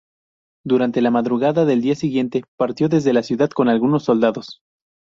Durante la madrugada del día siguiente partió desde la ciudad con algunos soldados.